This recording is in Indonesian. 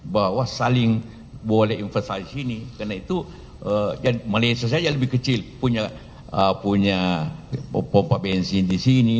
bahwa saling boleh investasi sini karena itu malaysia saja lebih kecil punya pompa bensin di sini